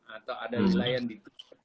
atau ada wilayah yang ditutup